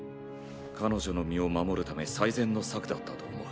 彼女の身を守るため最善の策だったと思う。